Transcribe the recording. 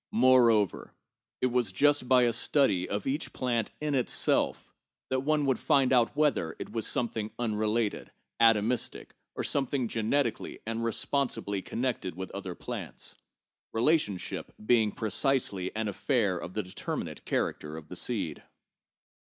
Moreover, it was just by a study of each plant 'in itself that one would find out whether it was something unrelated, atomistic, or something genetically and responsibly con nected with other plants, relationship being precisely an affair of the determinate character of the seed.